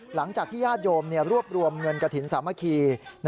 หลังจากที่ญาติโยมรวบรวมเงินกระถิ่นสามัคคี